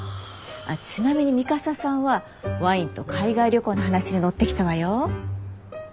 ちなみに三笠さんはワインと海外旅行の話に乗ってきたわよ。